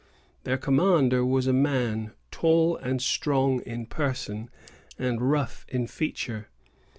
Their commander was a man tall and strong in person, and rough in feature.